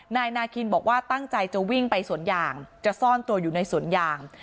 นายนาคินบอกว่าตั้งใจจะวิ่งไปสวนยางจะซ่อนตัวอยู่ในสวนยาง